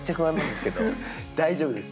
大丈夫です。